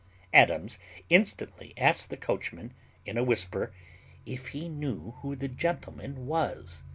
Adams instantly asked the coachman, in a whisper, "If he knew who the gentleman was?"